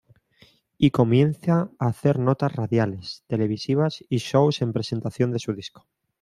Y comienza a hacer notas radiales, televisivas y shows en presentación de su disco.